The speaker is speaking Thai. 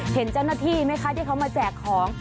เห็นเจ้าหน้าที่ไหมคะที่เขามาแจกของ